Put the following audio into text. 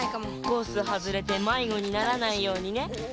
コースはずれてまいごにならないようにね。